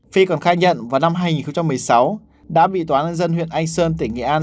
phi còn khai nhận vào năm hai nghìn một mươi sáu đã bị tòa nhân dân huyện anh sơn tỉnh nghệ an